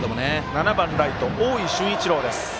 ７番ライト、大井駿一郎。